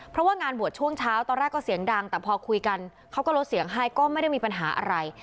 เพราะว่างานบวชช่วงเช้าตอนแรกก็เสียงดังแต่พอคุยกันเขาก็ลดเสียงให้ก็ไม่ได้มีปัญหาอะไร